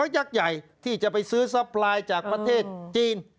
ยักษ์ใหญ่ที่จะไปซื้อซัพพลายจากประเทศจีน